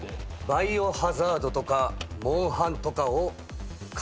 『バイオハザード』とか『モンハン』とかを買ってやりたい